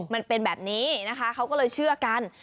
มันเป็นแบบนี้นะคะเขาก็เลยเชื่อกัน